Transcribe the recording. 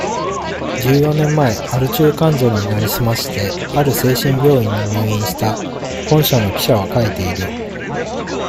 十四年前、アル中患者になりすまして、ある精神病院に入院した、本社の記者は書いている。